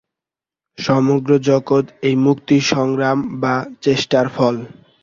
সমগ্র জগৎ এই মুক্তির সংগ্রাম বা চেষ্টার ফল।